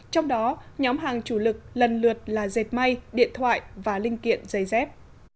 trong đó nhóm hàng chủ lực lần lượt là dệt may điện thoại và linh kiện giấy dép